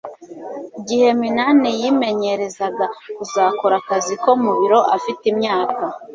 gihe minani yimenyerezaga kuzakora akazi ko mu biro afite imyaka